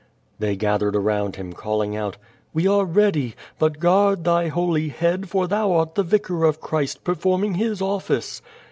They gathered around him, calling out: "We are ready, but guard thy holy head for thou art the Vicar of Christ, per forming his office."